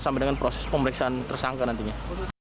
sampai dengan proses pemeriksaan tersangka nantinya